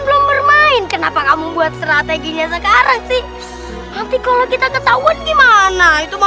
belum bermain kenapa kamu buat strateginya sekarang sih tapi kalau kita ketahuan gimana itu mau